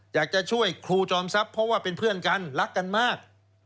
อยากจะช่วยครูจอมทรัพย์เพราะว่าเป็นเพื่อนกันรักกันมาก